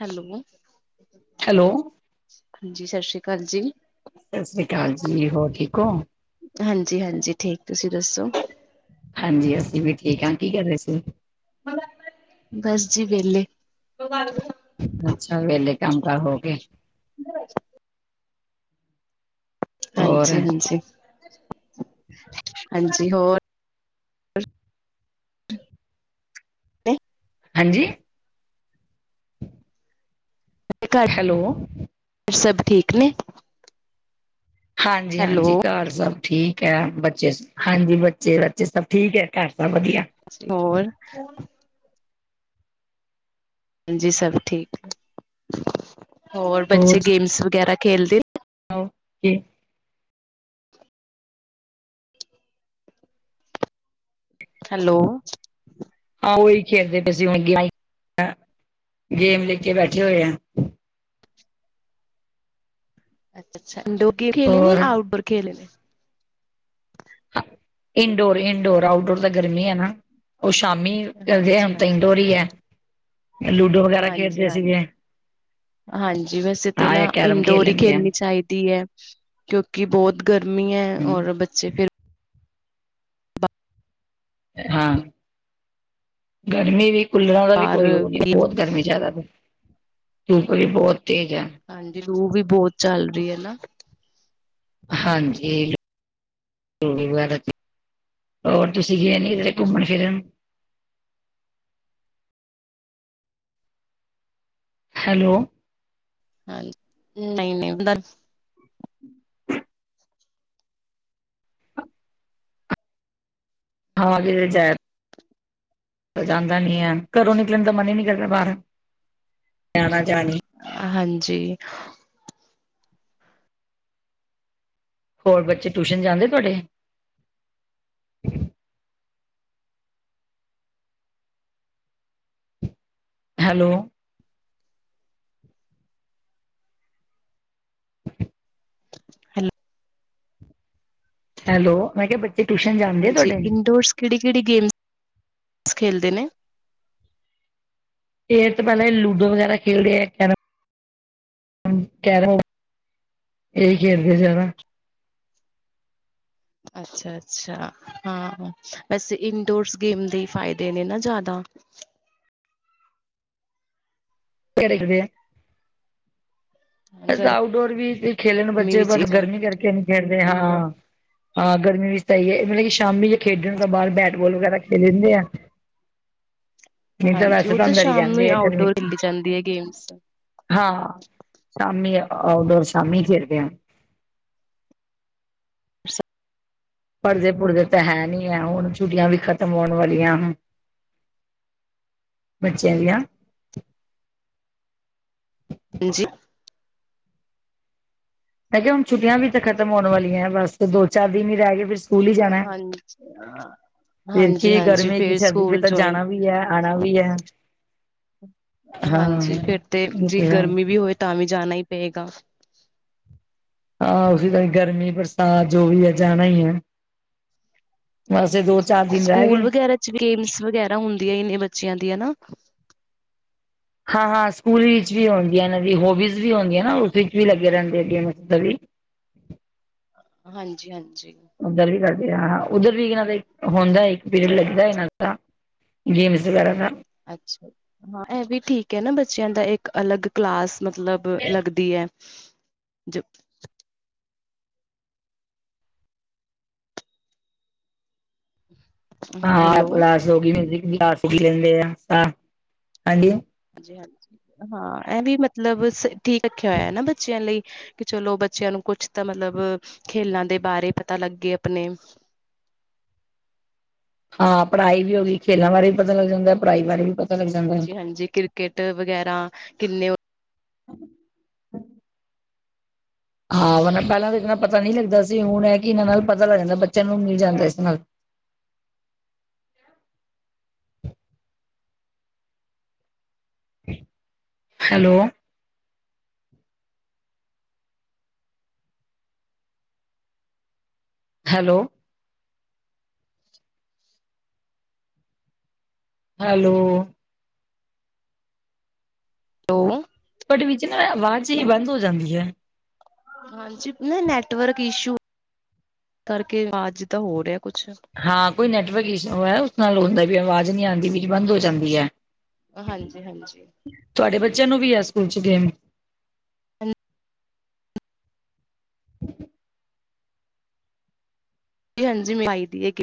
Hello hello ਹਾਂਜੀ ਸਤਿ ਸ਼੍ਰੀ ਅਕਾਲ ਜੀ ਸਤਿ ਸ੍ਰੀ ਅਕਾਲ ਜੀ ਹੋਰ ਠੀਕ ਹੋ ਹਾਂਜੀ ਹਾਂਜੀ ਠੀਕ ਤੁਸੀਂ ਦੱਸੋ ਹਾਂਜੀ ਅਸੀਂ ਵੀ ਠੀਕ ਹਾਂ ਕੀ ਕਰ ਰਹੇ ਸੀ ਬਸ ਜੀ ਵਿੇਹਲੇ ਅੱਛਾ ਵੇਹਲੇ ਕੰਮ ਕਾਰ ਹੋ ਕੇ ਹੋਰ ਹਾਂਜੀ ਹਾਂਜੀ ਹਾਂਜੀ ਹੋਰ ਤੇ ਹਾਂਜੀ ਘਰ ਹੈਲੋ ਸਭ ਠੀਕ ਨੇ ਹਾਂਜੀ-ਹਾਂਜੀ, ਹੈਲੋ, ਘਰ ਸਭ, ਠੀਕ ਹੈ ਬੱਚੇ ਹਾਂਜੀ ਬੱਚੇ ਬੱਚੇ ਸਭ ਠੀਕ ਹੈ ਘਰ ਸਭ ਵਧੀਆ। ਹੋਰ। ਹਾਂਜੀ ਸਭ ਠੀਕ, ਹੋਰ ਬੱਚੇ ਗੇਮਸ ਵਗੈਰਾ ਖੇਲਦੇ ਕਿ ਹੈਲੋ। ਹਾਂ ਉਹੀ ਖੇਡਦੇ ਪਏ ਸੀ ਹੁਣ ਗੇਮ ਲੈਕੇ ਬੈਠੇ ਹੋਏ ਆ। ਅੱਛਾ-ਅੱਛਾ, ਇੰਡੋਰ ਗੇਮ ਖੇਲੇ ਨੇ ਹੋਰ ਆਊਟਡੋਰ ਖੇਲੇ ਨੇ। ਇੰਡੋਰ ਇੰਡੋਰ ਆਊਟਡੋਰ ਤਾਂ ਗਰਮੀ ਹੈ ਨਾ। ਉਹ ਸ਼ਾਮੀ ਕਰਦੇ ਹਾਂਜੀ ਹੁਣ ਹਾਂ, ਤ ਡੋਰੀ ਹੈ। ਲੂਡੋ ਵਗੈਰਾ ਖੇਡਦੇ ਹਾਂਜੀ-ਹਾਂਜੀ। ਸੀਗੇ। ਹਾਂਜੀ ਵੈਸੇ ਤਾਂ ਹਾਂ, ਨਾ ਜਾਂ ਕੈਰਮ ਖੇਲ ਇਨਡੋਰ ਹੀ ਲੈਂਦੇ ਆ, ਖੇਲਣੀ ਚਾਹੀਦੀ ਹੈ ਕਿਉਂਕਿ ਬਹੁਤ ਗਰਮੀ ਹੈ ਹੂੰ। ਔਰ ਬੱਚੇ ਫੇਰ, ਹਾਂ, ਗਰਮੀ ਵੀ ਕੁੱਲਾਰਾਂ ਦਾ ਵੀ ਬਾਹਰ ਕੋਈ ਉਹ ਨੀ ਗੇਮ ਬਹੁਤ ਗਰਮੀ ਜ਼ਿਆਦਾ, ਧੂਪ ਵੀ ਬਹੁਤ ਤੇਜ਼ ਹੈ। ਹਾਂਜੀ ਲੂਹ ਵੀ ਬਹੁਤ ਚੱਲ ਰਹੀ ਹੈ ਨਾ। ਹਾਂਜੀ। ਹੋਰ ਤੁਸੀਂ ਗਏ ਨੀ ਇਧਰੇ ਘੁੰਮਣ ਫਿਰਨ। [inaudible] ਹੈਲੋ। ਹਾਂ ਨਹੀਂ ਨਹੀਂ ਹਾਂ ਵੀ ਜਾ। ਜਾਂਦਾ ਨੀ ਹੈ ਘਰੋਂ ਨਿਕਲਣ ਦਾ ਮਨ ਹੀ ਨਿਕਲਦਾ ਬਾਹਰ ਜਾਣਾ ਜਾ ਜੀ। ਹੋਰ ਬੱਚੇ ਟਿਊਸ਼ਨ ਜਾਂਦੇ ਤੁਹਾਡੇ? ਹੈਲੋ। ਹੈਲੋ। ਹੈਲੋ ਮੈਂ ਕਿਹਾ ਟਿਊਸ਼ਨ ਜਾਂਦੇ ਹਾਂਜੀ ਤੁਹਾਡੇ ਇੰਡੋਰ ਕਿਹੜੀ ਕਿਹੜੀ ਗੇਮਸ? ਬਸ ਖੇਲਦੇ ਨੇ। ਫੇਰ ਤੋਂ ਪਹਿਲਾਂ ਲੂਡੋ ਵਗੈਰਾ ਖੇਡ ਦਿਆ ਫਿਰ ਕੈਰਮ। ਕੈਰਮ, ਇਹੀ ਖੇਡਦੇ ਜਾਅਦਾ। ਅੱਛਾ-ਅੱਛਾ, ਹਾਂ ਵੈਸੇ ਇਨਡੋਰਸ ਗੇਮ ਦੇ ਫਾਇਦੇ ਨੇ ਨਾ ਜ਼ਿਆਦਾ। [unintelligible] ਕਿਹੜੇ ਕਿਹੜੇ ਐ। ਤਾਂ ਗਰਮੀ ਆਊਟਡੋਰ ਵੀ ਖੇਲੇਣ ਬੱਚੇ ਵਿੱਚ ਹੀ ਬਟ ਜਾਂਦੀ ਗਰਮੀ ਹੈ। ਕਰਕੇ ਨਹੀਂ ਖੇਡਦੇ ਹਾਂ। ਹਾਂ ਗਰਮੀ ਵਿੱਚ ਤਾਂ ਇਹੀ ਹੈ ਮਤਲਬ ਕਿ ਸ਼ਾਮੀ ਜ ਖੇਡਣ ਦਾ ਬਾਹਰ ਬੈਠ ਫੁੱਟਬਾਲ ਵਗੈਰਾ ਖੇਲ ਲੈਂਦੇ ਆ। ਨਹੀਂ ਤਾਂ ਹਾਂਜੀ ਵੈਸੇ ਉਹ ਤਾਂ ਅੰਦਰ ਹੀ ਸ਼ਾਮ ਨੂੰ ਰਹਿੰਦੇ ਆਊਟਡੋਰ ਖੇਲੀ ਜਾਂਦੀ ਆ। ਹੈ ਗੇਮਸ ਹਾਂ। ਸ਼ਾਮੀ ਆਊਟਡੋਰ ਸ਼ਾਮੀ ਫਿਰਦੇ ਆ। [inaudible] ਪੜ੍ਹਦੇ ਪੁਰਦੇ ਤਾਂ ਹੈ ਨਹੀਂ ਹੈ ਹੁਣ ਛੁੱਟੀਆਂ ਵੀ ਖ਼ਤਮ ਹੋਣ ਵਾਲੀਆਂ। ਬੱਚਿਆ ਦੀਆ। ਹਾਂਜੀ। ਮੈਂ ਕਿਹਾ ਹੁਣ ਛੁੱਟੀਆਂ ਵੀ ਤਾਂ ਖਤਮ ਹੋਣ ਵਾਲੀਆਂ ਹੈ ਬਸ ਦੋ ਚਾਰ ਦਿਨ ਹੀ ਰਹਿ ਗਏ। ਫਿਰ ਸਕੂਲ ਹੀ ਜਾਣਾ ਹਾਂਜੀ। ਫਿਰ ਹਾਂਜੀ ਕੀ ਹਾਂਜੀ ਗਰਮੀ ਕੀ ਫੇਰ ਸਰਦੀ ਫਿਰ ਸਕੂਲ ਤਾਂ ਜੋਇਨ। ਜਾਣਾ ਵੀ ਹੈ ਆਉਣਾ ਵੀ ਹੈ ਹਾਂ ਹਾਂਜੀ ਫਿਰ ਤੇ ਉਹ ਜੇ ਹੈ ਗਰਮੀ ਵੀ ਹੋਵੇ ਤਾਂ ਵੀ ਜਾਣਾ ਹੀ ਪਏਗਾ। ਹਾਂ ਉਸ ਤਾਂ ਗਰਮੀ ਬਰਸਾਤ ਜੋ ਵੀ ਹੈ ਜਾਣਾ ਹੀ ਹੈ। ਬਸ ਇਹ ਦੋ ਹਾਂਜੀ ਚਾਰ ਦਿਨ ਰਹਿ ਸਕੂਲ ਗਏ ਵਗੈਰਾ ਚ ਗੇਮਸ ਵਗੈਰਾ ਹੁੰਦੀਆਂ ਇਨੇ ਬੱਚਿਆਂ ਦੀ ਹਨ ਨਾ। ਹਾਂ ਹਾਂ ਸਕੂਲ ਵਿੱਚ ਵੀ ਆਉਂਦੀ ਹੈ ਇਹਨਾਂ ਦੀ ਹੋਬੀਜ਼ ਵੀ ਆਉਂਦੀ ਹੈ ਨਾ ਉਸ ਵਿੱਚ ਵੀ ਲੱਗੇ ਰਹਿੰਦੇਗੇ। ਹਾਂਜੀ ਹਾਂਜੀ। ਉੱਧਰ ਵੀ ਕਰਦੇ ਉੱਧਰ ਵੀ ਇਹਨਾਂ ਦਾ ਹੁੰਦਾ ਇੱਕ ਪੀਰੀਅਡ ਲੱਗਦਾ ਇਹਨਾਂ ਦਾ ਗੇਮਸ ਵਗੈਰਾ ਦਾ। ਅੱਛਾ ਹਾਂ ਇਹ ਵੀ ਠੀਕ ਹੈ ਨਾ ਬੱਚਿਆਂ ਦਾ ਇੱਕ ਅਲੱਗ ਕਲਾਸ ਮਤਲਬ ਲੱਗਦੀ ਹੈ ਜ। ਹ। ਹਾਂ ਕਲਾਸ ਹੋ ਗ ਮਲਾਸ ਹੋ ਲੈਂਦੇ ਆ ਹਾਂਜੀ। ਹਾਂਜੀ ਹਾਂ ਇਹ ਵੀ ਮਤਲਬ ਠੀਕ ਰੱਖਿਆ ਹੋਇਆ ਨਾ ਬੱਚਿਆਂ ਲਈ ਕਿ ਚਲੋ ਬੱਚਿਆਂ ਨੂੰ ਕੁਛ ਤਾਂ ਮਤਲਬ ਖੇਲਾਂ ਦੇ ਬਾਰੇ ਪਤਾ ਲੱਗੇ ਆਪਣੇ ਹਾਂ ਪੜ੍ਹਾਈ ਵੀ ਹੋ ਗਈ ਖੇਲਾਂ ਬਾਰੇ ਵੀ ਪਤਾ ਲੱਗ ਜਾਂਦਾ ਪੜ੍ਹਾਈ ਬਾਰੇ ਵੀ ਪਤਾ। ਲੱਗ ਜਾਂਦਾ। ਹਾਂਜੀ ਹਾਂਜੀ ਕ੍ਰਿਕਟ ਵਗੈਰਾ ਕਿੰਨੇ ਹਾਂ ਉਹ ਪਹਿਲਾਂ ਤਾਂ ਇਨਾ ਪਤਾ ਨਹੀਂ ਲੱਗਦਾ ਸੀ ਹੁਣ ਇਹ ਕਿ ਇਹਨਾਂ ਨਾਲ ਪਤਾ ਲੱਗ ਜਾਂਦਾ ਬੱਚਿਆਂ ਨੂੰ ਮਿਲ ਜਾਂਦਾ ਇਸ ਨਾਲ ਤੇ ਹੈਲੋ। ਹੈਲੋ। ਹੈਲੋ। ਉਹ ਬਟ ਵਿੱਚ ਨਾ ਆਵਾਜ਼ ਬੰਦ ਹੋ ਜਾਂਦੀ ਹੈ। ਹਾਂਜੀ ਨਾ ਨੈਟਵਰਕ ਇਸ਼ੂ ਕਰਕੇ ਅਜ ਤਾਂ ਹੋ ਰਿਹਾ। ਕੁਛ ਹਾਂ ਕੋਈ ਨੈਟਵਰਕ ਇਸ਼ੂ ਹੈ ਉਸ ਨਾਲ ਹੁੰਦਾ ਵੀ ਆਵਾਜ਼ ਨਹੀਂੀ ਆਉਂਦੀ ਵੀ ਬੰਦ ਹੋ ਜਾਂਦੀ ਹੈ। ਹਾਂਜੀ ਹਾਂਜੀ ਤੁਹਾਡੇ ਬੱਚਿਆਂ ਨੂੰ ਵੀ ਹੈ ਸਕੂਲ ਚ। ਗਮ। ਜੀ-ਹਾਂਜੀ, ਮਾਈ ਦੀ ਹੈ [unintelligible]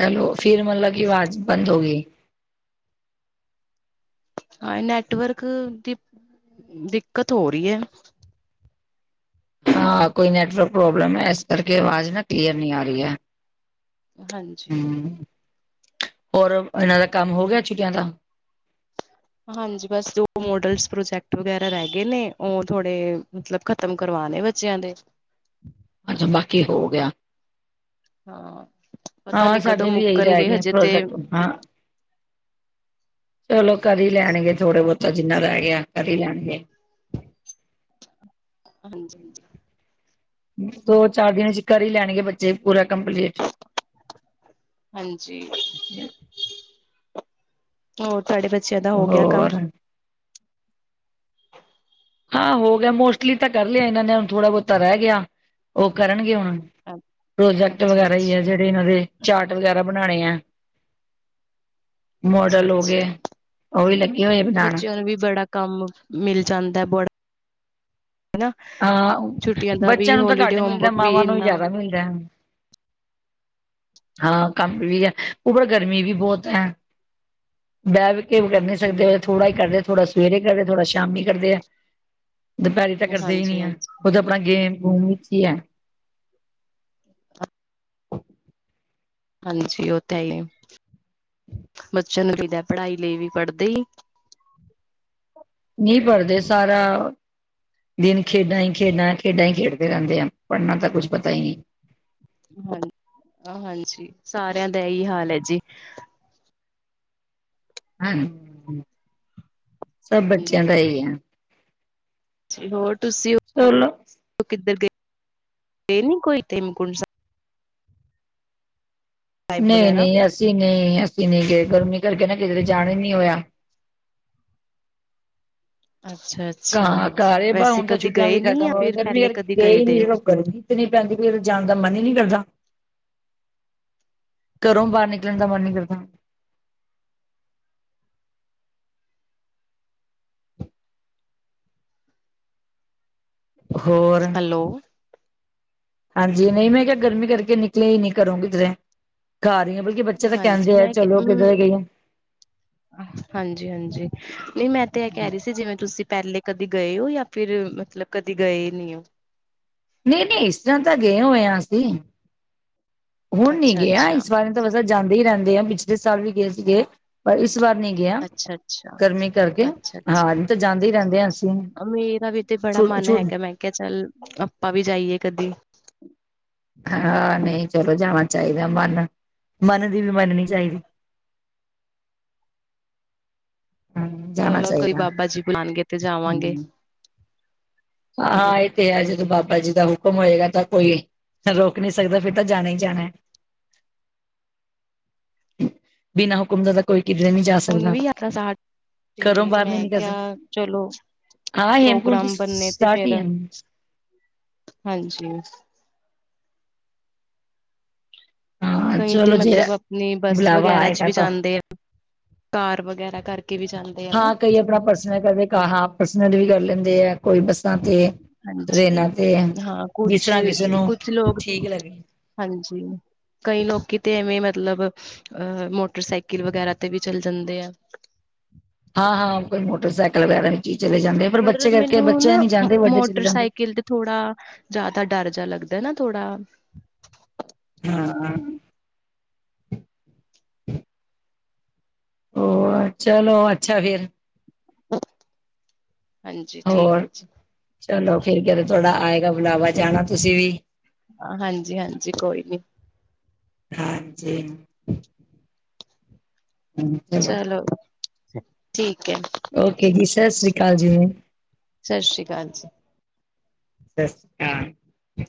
ਹੈਲੋ ਫਿਰ ਮਤਲਬ ਕਿ ਆਵਾਜ਼ ਬੰਦ ਹੋ ਗਈ। ਹਾਂ ਨੈਟਵਰਕ ਦੀ ਦਿੱਕਤ ਹੋ ਰਹੀ ਹੈ। ਹਾਂ ਕੋਈ ਨੈਟਵਰਕ ਪ੍ਰੋਬਲਮ ਹੈ ਇਸ ਕਰਕੇ ਆਵਾਜ਼ ਨਾ ਕਲੀਅਰ ਨਹੀਂ ਆ ਰਹੀ ਹੈ। ਹਾਂਜੀ। ਹਮ। ਹੋਰ ਇਹਨਾਂ ਦਾ ਕੰਮ ਹੋ ਗਿਆ ਛੁਟਿਆਂ ਦਾ। ਹਾਂਜੀ ਬਸ ਜੋ ਮੋਡਲਸ, ਪ੍ਰੋਜੈਕਟ ਵਗੈਰਾ ਰਹਿਗੇ ਨੇ, ਉਹ ਥੋੜੇ ਮਤਲਬ ਖਤਮ ਕਰਵਾ ਨੇ ਬੱਚਿਆਂ ਦੇ। ਅੱਛਾ, ਬਾਕੀ ਹੋ ਗਿਆ। ਹਾਂ ਪਤਾ ਹਾਂ ਨੀ ਕਦੋਂ ਸਾਡੇ ਵੀ ਇਹੀ ਰਹਿ ਮੁੱਕਣਗੇ ਗਏ ਹਜੇ ਤੇ ਪ੍ਰੋਜੈਕਟ ਹਾਂ। ਚਲੋ ਕਰ ਹੀ ਲੈਣਗੇ ਥੋੜੇ-ਬਹੁਤਾ ਜਿੰਨਾ ਰਹਿ ਗਿਆ ਕਰ ਈ ਲੈਣਗੇ। ਹਾਂਜੀ-ਹਾਂਜੀ। ਦੋ-ਚਾਰ ਦਿਨ ਚ ਕਰ ਹੀ ਲੈਣਗੇ ਬੱਚੇ ਪੂਰਾ ਕੰਪਲੀਟ। ਹਾਂਜੀ। ਹੋਰ ਤੁਹਾਡੇ ਬੱਚਿਆਂ ਦਾ ਹੋ ਗਿਆ ਕੰਮ। ਹੋਰ ਹਾਂ ਹੋ ਗਿਆ ਮੋਸਟਲੀ ਤਾਂ ਕਰ ਲਿਆ ਇਹਨਾਂ ਨੇ, ਹੁਣ ਥੋੜ੍ਹਾ-ਬਹੁਤਾ ਰਹਿ ਗਿਆ ਉਹ ਕਰਨਗੇ ਹੁਣ। ਪ੍ਰੋਜੈਕਟ ਅੱਛਾ ਵਗੈਰਾ ਹੀ ਹੈ ਅੱਛਾ ਜਿਹੜੇ ਇਹਨਾਂ ਦੇ ਚਾਰਟ ਵਗੈਰਾ ਬਣਾਣੇ ਐ। ਅੱਛਾ ਮੋਡਲ ਹੋ ਗਏ, ਅੱਛਾ ਉਹ ਵੀ ਲੱਗੇ ਹੋਏ ਬਣਾਣ। ਬੱਚਿਆਂ ਨੂੰ ਵੀ ਬੜਾ ਕੰਮ ਮਿਲ ਜਾਂਦਾ ਬੜਾ ਹਨਾ ਹਾਂ ਛੁੱਟੀਆਂ ਦਾ ਬੱਚਿਆਂ ਵੀ ਨੂੰ ਤਾਂ ਹੋਲੀਡੇ ਘੱਟ ਮਿਲਦਾ ਐ, ਹੋਮਵਰਕ ਵੀ ਮਾਵਾਂ ਨੂੰ ਈ ਇੰਨਾ ਜ਼ਿਆਦਾ ਮਿਲਦਾ ਐ। ਹਾਂ ਕੰਮ ਵੀ ਹੈ, ਉਪਰ ਗਰਮੀ ਵੀ ਬਹੁਤ ਹੈ। ਬਹਿ ਵੀ ਕੇ ਵੀ ਕਰੀ ਹਾਂਜੀ ਸਕਦੇ ਥੋੜਾ ਹੀ ਕਰਦੇ ਥੋੜਾ ਸਵੇਰੇ ਕਰਦੇ ਥੋੜਾ ਸ਼ਾਮ ਕਰਦੇ ਐ ਦੁਪਹਿਰੀ ਤਾਂ ਕਰਦੇ ਹੀ ਨੀ ਹਾਂਜੀ ਹੈ ਹਾਂਜੀ ਉਹ ਤਾਂ ਆਪਣਾ ਗੇਮ-ਗੂਮ ਵਿੱਚ ਹੀ ਹੈ। ਹਾਂਜੀ, ਉਹ ਤਾਂ ਹੀ ਏ। ਬੱਚਿਆਂ ਨੂੰ ਕਹਿਦਾ ਏ ਪੜ੍ਹਾਈ ਲਈ ਵੀ, ਪੜ੍ਹਦੇ ਈ ਨੀ। ਨਹੀਂ ਪੜ੍ਹੱਦੇ ਸਾਰਾ ਦਿਨ ਖੇਡਾਂ ਹੀ ਖੇਡਾਂ, ਖੇਡਾਂ ਹੀ ਖੇਡਦੇ ਰਹਿੰਦੇ ਐ। ਪੜ੍ਹਨਾ ਤਾਂ ਕੁੱਛ ਪਤਾ ਹੀ ਨਹੀਂ। ਹਾਂ ਸਾਰਿਆਂ ਦਾ ਇਹੀ ਹਾਲ ਹੈ ਜੀ। ਹਾਂਜੀ, ਸਭ ਬੱਚਿਆਂ ਦਾ ਹੀ ਹੈ। ਹੋਰ ਤੁਸੀਂ ਚਲੋ ਉ ਕਿੱਧਰ ਗਏ। ਗਏ ਨਹੀਂ ਕੋਈ ਹੇੰਮਕੂੰਡ ਸਾਬ। ਸਾਹਿਬ ਵਗੈਰਾ ਨਹੀਂ-ਨਹੀਂ, ਅਸੀਂ ਨਹੀਂ ਅਸੀਂ ਨਹੀਂ ਗਏ, ਗਰਮੀ ਕਰਕੇ ਨਾ ਕਿਤੇ ਦੇ ਜਾਣ ਹੀ ਨੀ ਹੋਇਆ। ਅੱਛਾ ਅੱਛਾ ਘਾ-ਘਾਰ ਏ ਬਹ, ਵੈਸੇ ਹੁਣ ਤਾਂ ਕਦੀ ਛੁੱਟੀਆਂ ਗਏ ਵੀ ਨੀ ਖਤਮ ਜਾਂ ਹੋਵੇ ਫਿਰ ਗਰਮੀ ਪਹਿਲੇ ਕਰਕੇ ਕਦੀ ਗਏ ਦੇ ਨੀ, ਹੋ ਗਰਮੀ ਇਤਨੀ ਪੈ ੰਦੀ ਪਈ ਏ, ਕਿਤੇ ਜਾਣ ਦਾ ਮਨ ਹੀ ਨਹੀਂ ਕਰਦਾ। ਘਰੋਂ ਬਾਹਰ ਨਿਕਲਣ ਦਾ ਮਨ ਨਹੀਂ ਕਰਦਾ। ਹੋਰ। ਹੈਲੋ ਹਾਂਜੀ ਨਹੀਂ ਮੈਂ ਕਿਹਾ ਗਰਮੀ ਕਰਕੇ ਨਿਕਲੇ ਹੀ ਨਹੀਂ ਘਰੋ ਕਿੱਧਰੇ। ਬਲਕਿ ਬੱਚੇ ਤਾਂ ਕਹਿੰਦੇ ਆ ਚਲੋ ਕਿੱਧਰੇ ਗਈਆਂ। ਹਾਂਜੀ-ਹਾਂਜੀ, ਨਹੀਂ ਮੈਂ ਤੇ ਇਹ ਕਹਿ ਰਹੀ ਸੀ ਜਿਵੇਂ ਤੁਸੀਂ ਪਹਿਲੇ ਕਦੇ ਗਏ ਹੋ ਯਾਂ ਫਿਰ ਮਤਲਬ ਕਦੇ ਗਏ ਨਹੀਂ ਔ। ਨਹੀਂ-ਨਹੀਂ, ਇਸ ਤਰ੍ਹਾਂ ਤਾਂ ਗਏ ਹੋਏ ਹਾਂ ਅਸੀਂ। ਹੁਣ ਨੀ ਅੱਛਾ ਗਏ ਆ ਅੱਛਾ ਇਸ ਬਾਰੇ ਤਾਂ ਵਸੇ ਜਾਂਦੇ ਹੀ ਰਹਿੰਦੇ ਆ, ਪਿਛਲੇ ਸਾਲ ਵੀ ਗਏ ਸੀਗੇ ਪਰ ਇਸ ਵਾਰ ਨੀ ਗਏ ਆ ਅੱਛਾ ਅੱਛਾ ਗਰਮੀ ਕਰਕੇ, ਅੱਛਾ ਅੱਛਾ ਹਾਂ ਨਹੀਂ ਤਾਂ ਜਾਂਦੇ ਹੀ ਰਹਿੰਦੇ ਹਾਂ ਅਸੀਂ। ਮੇਰਾ ਵੀ ਤੇ ਬੜਾ ਛੁ ਮਨ ਛੁ ਹੈਗਾ ਮੈਂ ਕਿਹਾ ਚੱਲ ਆਪਾਂ ਵੀ ਜਾਈਏ ਕਦੀ। ਹਾਂ ਨਹੀਂ ਚਲੋ ਜਾਣਾ ਚਾਹੀਦਾ ਏ ਮਨ ਮਨ ਦੀ ਵੀ ਮੰਨਨੀ ਚਾਹੀਦੀ ਹਮ ਜਾਣਾ ਚਲੋ ਕੋਈ ਚਾਹੀਦਾ ਬਾਬਾ ਜੀ ਬਣਾਉਣਗੇ ਤੇ ਜਾਵਾਂਗੇ ਹਾਂਾਂ ਇਹ ਤੇ ਹੈ ਜਦੋਂ ਬਾਬਾ ਜੀ ਦਾ ਹੁਕਮ ਹੋਏਗਾ ਤਾਂ ਕੋਈ ਰੋਕ ਨੀ ਸਕਦਾ ਫਿਰ ਤਾਂ ਜਾਣਾ ਹੀ ਜਾਣਾ ਹੈ ਬਿਨਾਂ ਹੁਕਮ ਦਾ ਕੋਈ ਕਿਧਰੇ ਨਹੀਂ ਜਾ ਹੁਣ ਸਕਦਾ ਵੀ ਯਾਰਾਂ ਸ ਤੇ ਘਰੋਂ ਬਾਹਰ ਨਹੀਂ ਮੈਂ ਨਿਕਲ ਸਕਦਾ ਕਿਹਾ ਚਲੋ ਹਾਂ ਹੇਮਕੁੰਟ ਪ੍ਰੋਗਰਾਮ ਬੰਨੇ ਤੇ ਸਟਾਰਟ ਹੀ ਫੇਿਰ ਹੈ ਹਾਂਜੀ ਹਾਂ ਕਈ ਤੇ ਚਲੋ ਜੇ ਮਤਲਬ ਆਪਣੀ ਬੱਸ ਬੁਲਾਵਾ ਵਗੈਰਾ ਚ ਆਏਗਾ ਵੀ ਤਾਂ ਜਾਂਦੇ ਆ ਕਾਰ ਵਗੈਰਾ ਕਰਕੇ ਵੀ ਜਾਂਦੇ ਆ ਨਾ ਹਾਂ ਕਈ ਆਪਣਾ ਪਰਸਨਲ ਕਰਦੇ ਹਾਂ ਪਰਸਨਲ ਵੀ ਕਰ ਲੈਂਦੇ ਆ ਕੋਈ ਬਸ ਤੇ ਹਾਂਜੀ ਟਰੇਨਾਂ ਤੇ ਹਾਂ ਕੁਛ ਬਿਸਰਾਂ ਕਿਸੇ ਨੂੰ ਕੁਛ ਲੋਕ ਠੀਕ ਲੱਗ ਹਾਂਜੀ ਕਈ ਲੋਕੀ ਤੇ ਐਵੇਂ ਮਤ ਮਤਲਬ ਅ ਮੋਟਰਸਾਈਕਲ ਵਗੈਰਾ ਤੇ ਵੀ ਚਲੇ ਜਾਂਦੇ ਆ ਹਾਂ ਹਾਂ ਕੋਈ ਮੋਟਰਸਾਈਕਲ ਵਗੈਰਾ ਨਹੀਂ ਹੀ ਚਲੇ ਜਾਂਦੇ ਪਰ ਬੱਚੇ ਕਰਕੇ ਮੈਨੂੰ ਬੱਚੇ ਨਾ ਜਾਂਦੇ ਵੱਡੇ ਚਲੇ ਜਾਂਦੇ ਮੋਟਰਸਾਈਕਲ ਤੇ ਥੋੜਾ ਜਿਆਦਾ ਡਰ ਜਿਹਾ ਲੱਦਾ ਨਾ ਥੋੜਾ ਹਾਂ ਹਾਂ ਤੇ ਹੋ ਚਲੋ ਅੱਛਾ ਫਿਰ ਹਾਂਜੀ ਹੋਰ ਠੀਕ ਹੈ ਜੀ ਚਲੋ ਫਿਰ ਕਿ ਥੋੜਾ ਆਏਗਾ ਬੁਲਾਵਾ ਜਾਣਾ ਤੁਸੀਂ ਵੀ ਹ ਹਾਂਜੀ ਹਾਂਜੀ ਕੋਈ ਨੀ ਹਾਂਜੀ ਚਲੋ ਠੀਕ ਹੈ ਓਕੇ ਜੀ ਸਤਿ ਸ੍ਰੀ ਅਕਾਲ ਜੀ ਸਤਿ ਸ੍ਰੀ ਅਕਾਲ ਜੀ ਸਤਿ ਸ਼੍ਰੀ ਅਕਾਲ